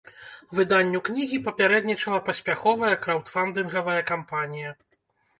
Выданню кнігі папярэднічала паспяховая краўдфандынгавая кампанія.